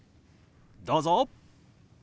どうぞ。